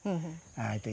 dia bersemadi di pohon bodi